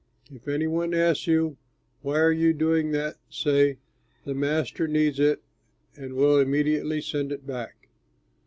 If any one asks you, 'Why are you doing that?' say, 'The Master needs it and will immediately send it back.'"